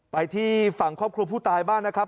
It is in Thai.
ไปที่ฝั่งครอบครัวผู้ตายบ้างนะครับ